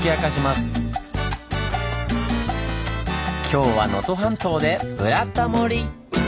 今日は能登半島で「ブラタモリ」！